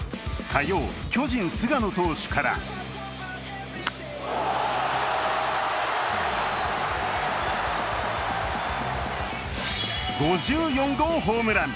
火曜、巨人・菅野投手から５４号ホームラン。